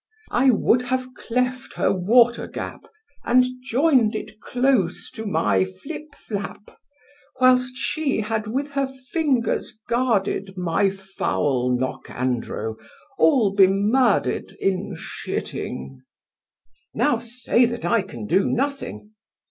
I would have cleft her watergap, And join'd it close to my flipflap, Whilst she had with her fingers guarded My foul nockandrow, all bemerded In shitting. Now say that I can do nothing!